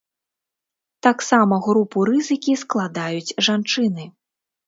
Таксама групу рызыкі складаюць жанчыны.